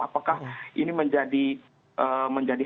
apakah ini menjadi